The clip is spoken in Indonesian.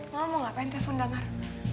mama mau ngapain telfon damar